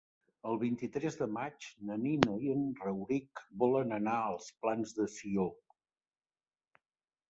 El vint-i-tres de maig na Nina i en Rauric volen anar als Plans de Sió.